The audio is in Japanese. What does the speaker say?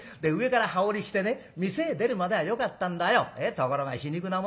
ところが皮肉なもんだ。